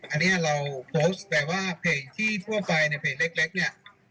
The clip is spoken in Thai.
อันนี้เราโพสต์แบบว่าเพจที่ทั่วไปในเพจเล็กเนี่ย